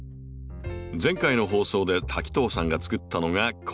前回の放送で滝藤さんがつくったのがこちら。